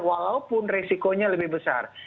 walaupun resikonya lebih besar